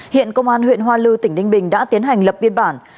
hiện công an huyện hoa lư tỉnh ninh bình đã tiến hành lập biên bản